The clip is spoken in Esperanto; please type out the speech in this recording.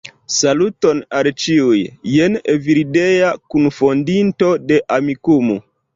Saluton al ĉiuj! Jen Evildea, kunfondinto de Amikumu!